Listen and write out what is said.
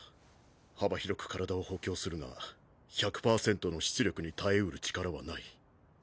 幅広く体を補強するが１００％の出力に耐えうる力はない。